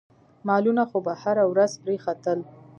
مالونه خو به هره ورځ پرې ختل.